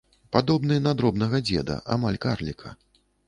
Падобны на дробнага дзеда, амаль карліка.